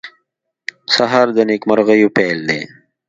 سهار د نیکمرغیو پېل دی.